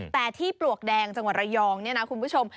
แต่ที่ปลวกแดงจังหวัดระยองเนี่ยนะคุณผู้ชม